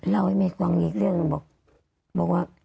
เล่าให้แม่ฟังอีกเรื่องหนึ่งบอกว่า